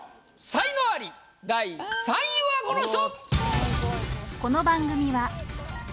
才能アリ第３位はこの人！